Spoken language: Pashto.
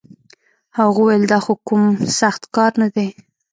هغه وويل دا خو کوم سخت کار نه دی.